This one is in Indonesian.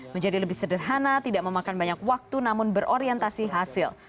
menjadi lebih sederhana tidak memakan banyak waktu namun berorientasi hasil